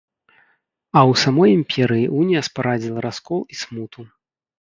А ў самой імперыі унія спарадзіла раскол і смуту.